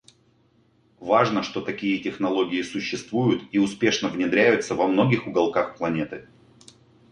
Важно, что такие технологии существуют и успешно внедряются во многих уголках планеты.